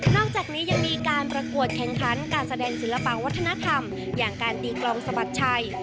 อกจากนี้ยังมีการประกวดแข่งขันการแสดงศิลปะวัฒนธรรมอย่างการตีกลองสะบัดชัย